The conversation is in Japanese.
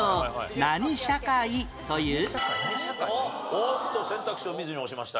おっと選択肢を見ずに押しました。